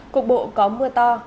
cục bộ có mưa to